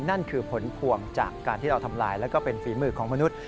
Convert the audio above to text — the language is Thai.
นั่นคือผลพวงจากการที่เราทำลายแล้วก็เป็นฝีมือของมนุษย